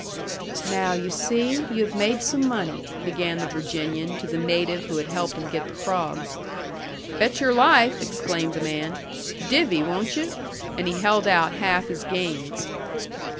"Now, you see, you have made some money," began the Virginian to the native who had helped him get the frogs. "Bet your life!" exclaimed the man. "Divvy, won't you?" And he held out half his gains.